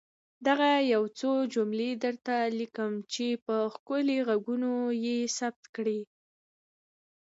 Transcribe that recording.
دغه يو څو جملې درته ليکم چي په ښکلي ږغونو يې ثبت کړئ.